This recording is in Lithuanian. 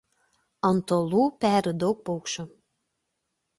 Ant uolų peri daug paukščių.